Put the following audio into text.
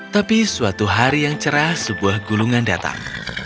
tapi suatu hari yang cerah sebuah gulungan datang